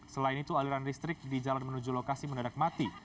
selain itu aliran listrik di jalan menuju lokasi mendadak mati